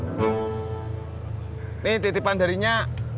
ini titipan darinya